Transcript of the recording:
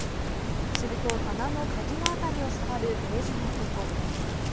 すると棚の鍵のあたりを触るベージュの男。